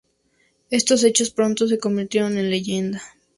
Estos hechos pronto se convirtieron en leyenda".